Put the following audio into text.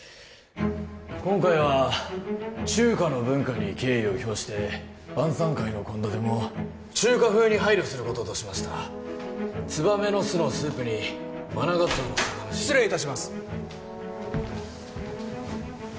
今回は中華の文化に敬意を表して晩餐会の献立も中華風に配慮することとしましたツバメの巣のスープにマナガツオの酒蒸し失礼いたします